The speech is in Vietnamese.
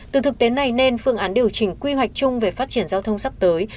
từ thực tế này nên phương án điều chỉnh quy hoạch chung về phát triển giao thông sắp tới